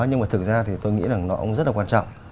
nhưng mà thực ra thì tôi nghĩ rằng nó cũng rất là quan trọng